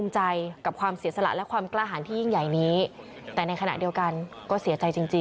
จากที่ไปตอนนี้